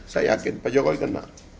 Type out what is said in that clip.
saya yakin pak jokowi kena